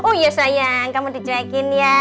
oh iya sayang kamu dijuakin ya